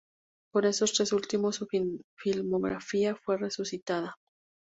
Con estos tres últimos, su filmografía fue resucitada.